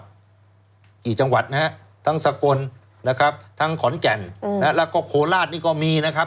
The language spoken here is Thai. กี่จังหวัดนะฮะทั้งสกลนะครับทั้งขอนแก่นแล้วก็โคราชนี่ก็มีนะครับ